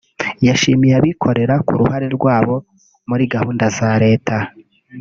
yashimiye abikorera ku ruhare rwabo muri gahunda za leta